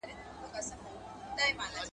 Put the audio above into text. که څوک د مذهب مخالفت وکړي له دولته سرغړونه کوي.